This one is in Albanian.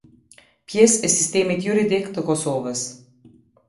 Pjesë e sistemit juridik të Kosovës.